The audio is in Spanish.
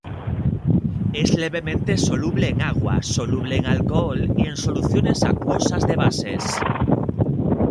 Es levemente soluble en agua, soluble en alcohol y en soluciones acuosas de bases.